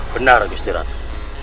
benar gusti ratu